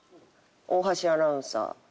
大橋アナウンサー。